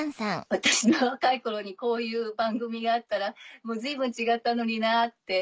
私の若い頃にこういう番組があったら随分違ったのになって。